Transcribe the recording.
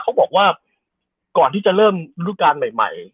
เขาบอกว่าก่อนที่จะเริ่มรูปการณ์ใหม่